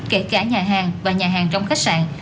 kể cả nhà hàng và nhà hàng trong khách sạn